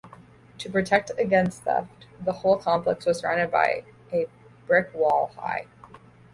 To protect against theft, the whole complex was surrounded by a brick wall high.